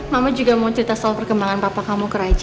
mama juga mau cerita soal perkembangan papa kamu ke raja